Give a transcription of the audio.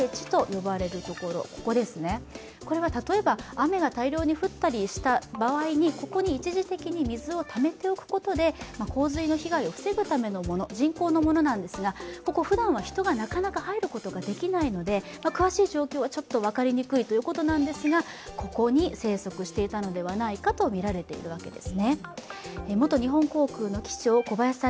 雨が大量に降ったりした場合にここに一時的に水をためておくことで、洪水の被害を防ぐためのもの、人工のものなんですが、ふだんは人がなかなか入ることができないので詳しい状況はちょっと分かりにくいということなんですが、ここに生息していたのではないかとみられているわけです。